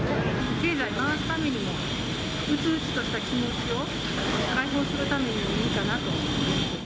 経済回すためにも、うつうつとした気持ちを開放するためにも、いいかなと思います。